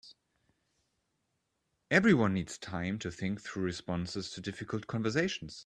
Everyone needs time to think through responses to difficult conversations.